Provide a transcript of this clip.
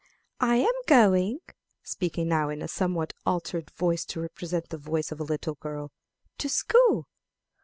I am going" (speaking now in a somewhat altered voice, to represent the voice of the little girl) "to school.